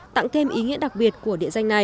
tặng thêm ý nghĩa đặc biệt của địa danh này